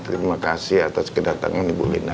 terima kasih atas kedatangan ibu mina